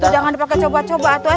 jangan dipake coba coba